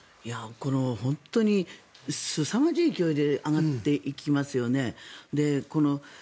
本当に、すさまじい勢いで上がっていきますよね。